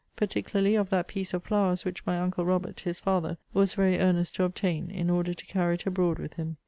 Particularly, of that piece of flowers which my uncle Robert, his father, was very earnest to obtain, in order to carry it abroad with him.